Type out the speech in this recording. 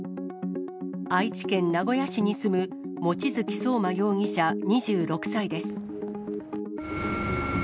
愛知県名古屋市に住む望月壮真容疑者２６歳です。